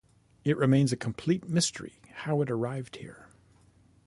It remains a complete mystery how it arrived here.